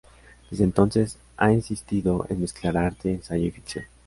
Desde entonces ha insistido en mezclar arte, ensayo y ficción.